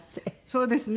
そうですね。